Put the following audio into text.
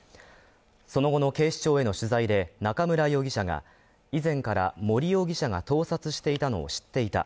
その後の警視庁への取材で中村容疑者が以前から森容疑者が盗撮していたのを知っていた。